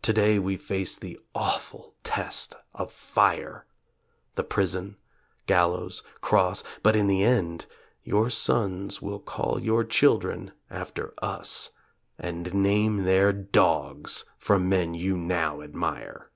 Today we face the awful test of fire The prison, gallows, cross but in the end Your sons will call your children after us And name their dogs from men you now admire!